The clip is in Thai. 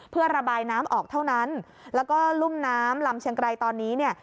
เพื่อระบายน้ำออกเท่านั้นแล้วก็รุ่มน้ำลำเชียงไกรตอนนี้เนี่ย